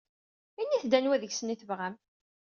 Init-d anwa deg-sen ay tebɣam.